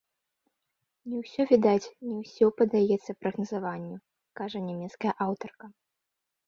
Не ўсё відаць, не ўсё паддаецца прагназаванню, кажа нямецкая аўтарка.